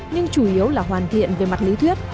nhưng chủ yếu là hoàn thiện về mặt lý thuyết